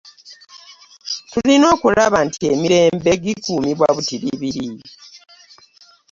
Tulina okulaba nti emirembe gikuumibwa butiribiri